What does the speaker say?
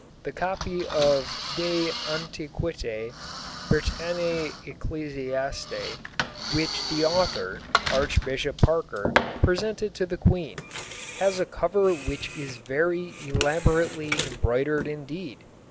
The copy of De Antiquitate Britannicæ Ecclesiæ, which the author, Archbishop Parker, presented to the Queen, has a cover which is very elaborately embroidered indeed.